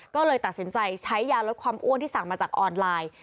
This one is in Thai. ก็เลยตัดสินใจใช้ยาลดความอ้วนที่สั่งมาจากออนไลน์